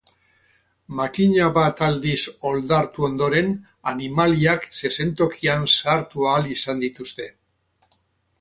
Makina bat aldiz oldartu ondoren, animaliak zezentokian sartu ahal izan dituzte.